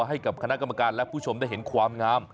ให้กับคณะกรรมการและผู้ชมได้เห็นความงาม